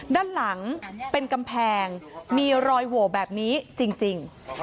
ด้านหลังเป็นกำแพงมีรอยโหวแบบนี้จริง